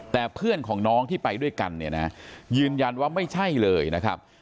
แต่เพื่อนของน้องที่ไปด้วยกันเนี่ยนะยืนยันว่าไม่ใช่เลยนะครับ